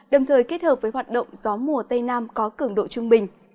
đồng thời kết hợp với hoạt động gió mùa tây nam có cường độ trung bình